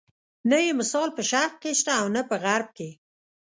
نه یې مثال په شرق کې شته او نه په غرب کې.